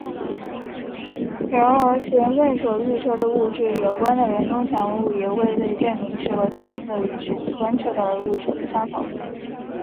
然而弦论所预测的物质有关的人工产物也未被证明是否真的与实际观测到的物质不相同。